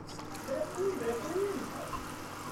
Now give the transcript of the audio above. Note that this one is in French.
De la tenue ! de la tenue !